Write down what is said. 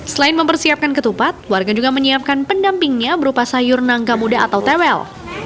selain mempersiapkan ketupat warga juga menyiapkan pendampingnya berupa sayur nangka muda atau tewel